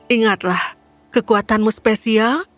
ingatlah kekuatanmu spesial